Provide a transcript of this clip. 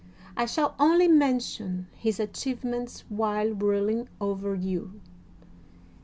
I shall only mention his achievements while ruling over you.